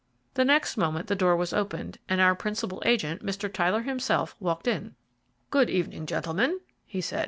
The next moment the door was opened, and our principal agent, Mr. Tyler himself, walked in. "Good evening, gentlemen," he said.